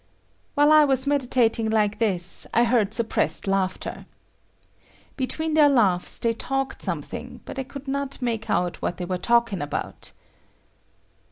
While I was meditating like this, I heard suppressed laughter. Between their laughs they talked something, but I could not make out what they were talking about.